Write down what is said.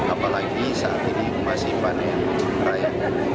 apalagi saat ini masih panen raya